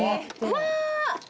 うわ！